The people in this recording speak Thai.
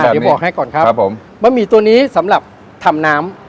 เดี๋ยวบอกให้ก่อนครับครับผมบะหมี่ตัวนี้สำหรับทำน้ำ